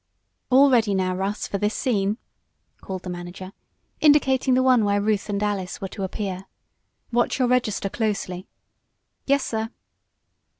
"All ready now, Russ, for this scene," called the manager, indicating the one where Ruth and Alice were to appear. "Watch your register closely." "Yes, sir."